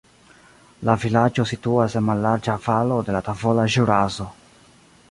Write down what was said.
La vilaĝo situas en mallarĝa valo de la Tavola Ĵuraso.